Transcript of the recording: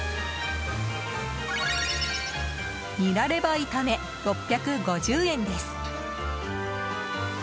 ニラレバ炒め、６５０円です。